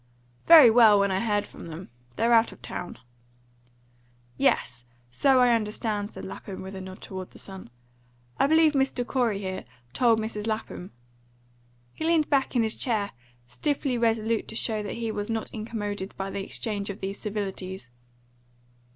"Very well, when I heard from them. They're out of town." "Yes, so I understood," said Lapham, with a nod toward the son. "I believe Mr. Corey, here, told Mrs. Lapham." He leaned back in his chair, stiffly resolute to show that he was not incommoded by the exchange of these civilities.